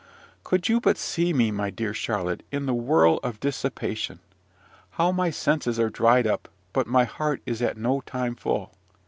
Could you but see me, my dear Charlotte, in the whirl of dissipation, how my senses are dried up, but my heart is at no time full.